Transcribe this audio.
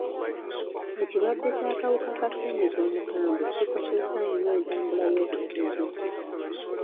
Ekirwadde ky'akawuka ka ssenyiga omukambwe kikosezza nnyo entambula y'obusuubuzi.